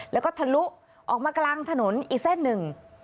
แล้วก็ทะลุออกมากลางถนนอีกเส้นหนึ่ง